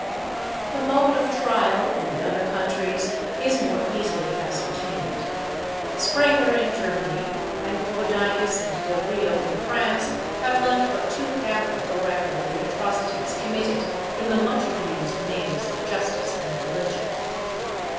The mode of trial in the other countries is more easily ascertained. Sprenger in Germany, and Bodinus and Delrio in France, have left but too ample a record of the atrocities committed in the much abused names of justice and religion.